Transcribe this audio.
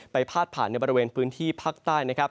ไปพาดผ่านในบริเวณพื้นที่ภาคใต้